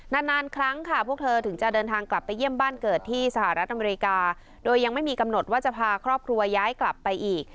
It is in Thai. นานครั้งค่ะพวกเธอถึงจะเดินทางกลับไปเยี่ยมบ้านเกิดที่สหรัฐอเมริกาโดยยังไม่มีกำหนดว่าจะพาครอบครัวย้ายกลับไปอีก